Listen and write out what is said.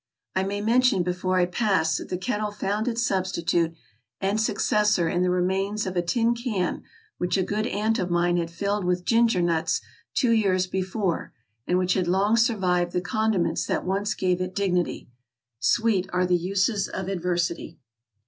I may mention before I pass that the kettle found its substitute and successor in the remains of a tin can which a good aunt of mine had filled with ginger nuts two years be fore, and which had long survived the condiments that once gave it dignity. " Sweet are the uses of adversity.